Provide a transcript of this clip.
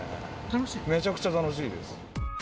めちゃくちゃ楽しいです。